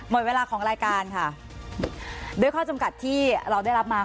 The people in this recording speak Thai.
หมดเวลาของรายการค่ะด้วยข้อจำกัดที่เราได้รับมา